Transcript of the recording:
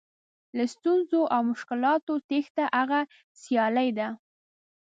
له ستونزو او مشکلاتو تېښته هغه سیالي ده.